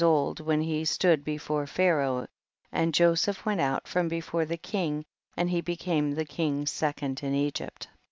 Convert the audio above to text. old when he stood before Pharaoh, and Joseph went out from before the king, and he became the king's se cond in Egypt.